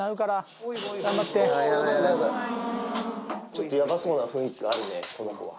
ちょっとやばそうな雰囲気あるね、この子は。